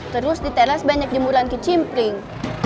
terus di teras banyak jemuran ke cimpling